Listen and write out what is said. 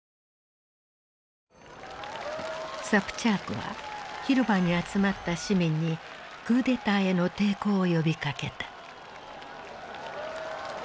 サプチャークは広場に集まった市民にクーデターへの抵抗を呼びかけた。